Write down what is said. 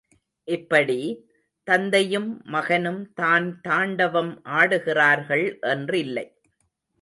இப்படி, தந்தையும் மகனும் தான் தாண்டவம் ஆடுகிறார்கள் என்றில்லை.